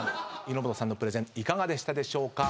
井本さんのプレゼンいかがでしたでしょうか？